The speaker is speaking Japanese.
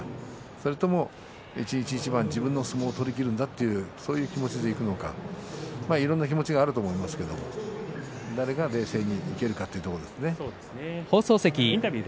それとも一日一番自分の相撲を取りきるんだという気持ちでいくのかいろんな気持ちがあると思うんですけれど誰が冷静にいけるかということですね。